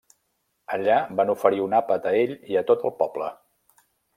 Allà van oferir un àpat a ell i a tot el poble.